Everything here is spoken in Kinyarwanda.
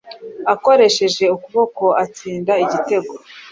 akoresheje ukuboko atsinda igitego